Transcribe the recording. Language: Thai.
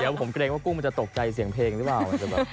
เดี๋ยวผมเกรงว่ากุ้งมันจะตกใจเสียงเพลงหรือเปล่ามันจะแบบ